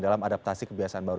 dalam adaptasi kebiasaan baru